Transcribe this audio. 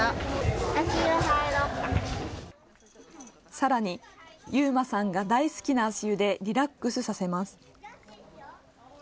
さらに勇馬さんが大好きな足湯でリラックスさせます。